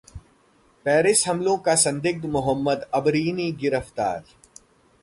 Paris हमलों का संदिग्ध मोहम्मद अबरिनी गिरफ्तार